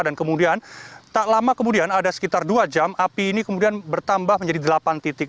dan kemudian tak lama kemudian sekitar dua jam api ini bertambah menjadi delapan titik